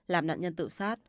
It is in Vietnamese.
làm nạn nhân tự sát